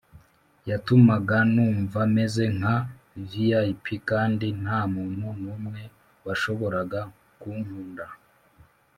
yatumaga numva meze nka v.i.p., kandi ntamuntu numwe washoboraga kunkunda.